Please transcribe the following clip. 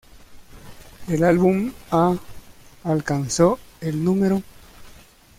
El álbum ha alcanzó el no.